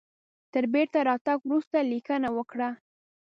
تر بیرته راتګ وروسته لیکنه وکړه.